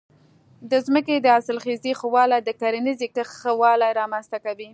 د ځمکې د حاصلخېزۍ ښه والی د کرنیزې کښت ښه والی رامنځته کوي.